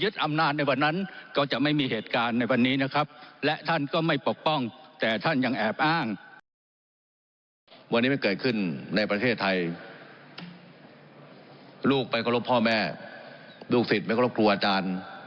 ลูกไม่เคารพพ่อแม่ลูกศิษย์ไม่เคารพครัวอาจารย์